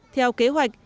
theo kế hoạch